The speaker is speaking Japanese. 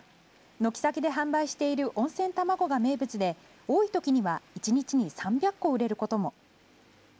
軒先で販売している温泉卵が名物で、多いときには１日に３００個売れることも。